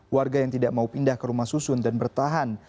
warga yang tidak mau pindah ke rumah susun dan bertahan